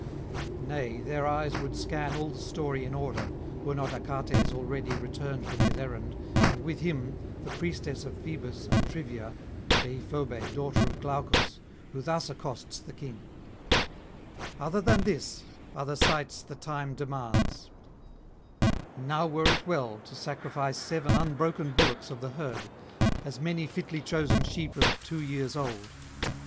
Nay, their eyes would scan all the story in order, were not Achates already returned from his errand, and with him the priestess of Phoebus and Trivia, Deïphobe daughter of Glaucus, who thus accosts the king: 'Other than this are the sights the time demands: now were it well to sacrifice seven unbroken bullocks of the herd, as many fitly chosen sheep of two years old.'